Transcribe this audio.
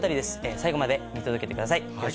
最後まで見届けてください。